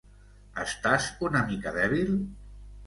Estàs una mica dèbil?